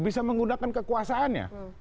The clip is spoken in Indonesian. bisa menggunakan kekuasaannya